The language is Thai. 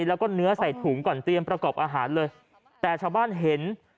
แล้วก็เนื้อใส่ถุงก่อนเตรียมประกอบอาหารเลยแต่ชาวบ้านเห็น